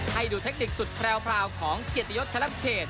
ให้ดูเทคนิคสุดแพรวของเกียรติยศชะลับเขต